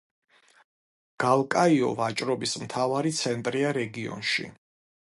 გალკაიო ვაჭრობის მთავარი ცენტრია რეგიონში.